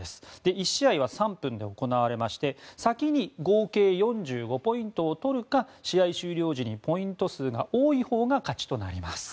１試合は３分で行われまして先に合計４５ポイントを取るか試合終了時にポイント数が多いほうが勝ちとなります。